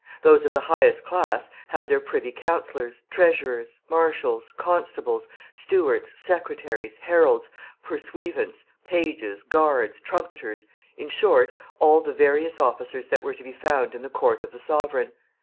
Those of the highest class had their privy councilors, treasurers, marshals, constables, stewards, secretaries, heralds, pursuivants, pages, guards, trumpeters in short, all the various officers that were to be found in the court of the sovereign.